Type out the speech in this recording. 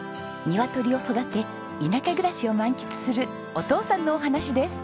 鶏を育て田舎暮らしを満喫するお父さんのお話です。